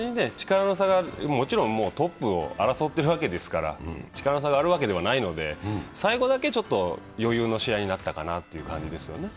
もちろんトップを争っているわけですから力の差があるわけではないので、最後だけ余裕の試合になったかなと思いますね。